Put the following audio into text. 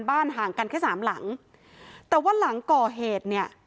ห่างกันแค่สามหลังแต่ว่าหลังก่อเหตุเนี่ย